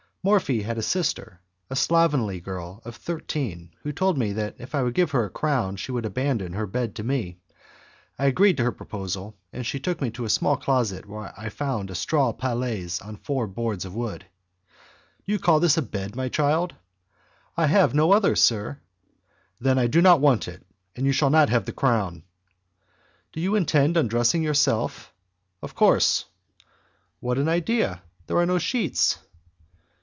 Morphi had a sister, a slovenly girl of thirteen, who told me that if I would give her a crown she would abandon her bed to me. I agreed to her proposal, and she took me to a small closet where I found a straw palliasse on four pieces of wood. "Do you call this a bed, my child?" "I have no other, sir." "Then I do not want it, and you shall not have the crown." "Did you intend undressing yourself?" "Of course." "What an idea! There are no sheets."